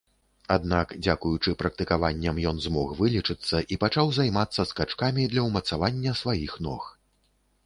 Аднак дзякуючы практыкаванням ён змог вылечыцца і пачаў займацца скачкамі для ўмацавання сваіх ног.